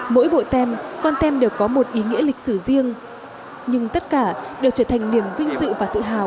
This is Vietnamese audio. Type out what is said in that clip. mỗi bộ tem con tem đều có một ý nghĩa lịch sử riêng nhưng tất cả đều trở thành niềm vinh dự và tự hào